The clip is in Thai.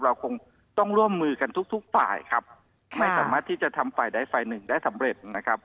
เราคงต้องร่วมมือกันทุกทุกฝ่ายครับไม่สามารถที่จะทำฝ่ายใดฝ่ายหนึ่งได้สำเร็จนะครับ